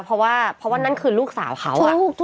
เพราะว่านั่นคือลูกสาวเขา